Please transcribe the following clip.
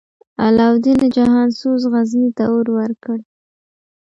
علاوالدین جهان سوز، غزني ته اور ورکړ.